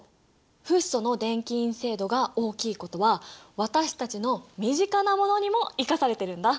フッ素の電気陰性度が大きいことは私たちの身近なものにも生かされてるんだ。